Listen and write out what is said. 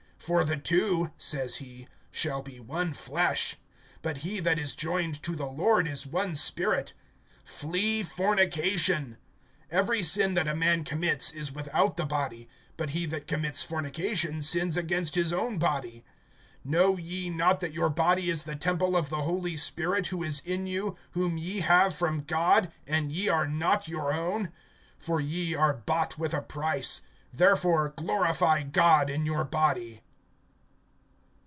For the two, says he, shall be one flesh. (17)But he that is joined to the Lord is one spirit. (18)Flee fornication. Every sin that a man commits is without the body; but he that commits fornication, sins against his own body. (19)Know ye not that your body is the temple of the Holy Spirit, who is in you, whom ye have from God, and ye are not your own? (20)For ye are bought with a price; therefore glorify God in your body.